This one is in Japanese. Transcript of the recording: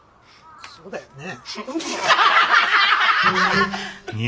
そうだよね。